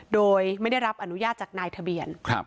โดยไม่ได้รับอนุญาตจากนายทะเบียน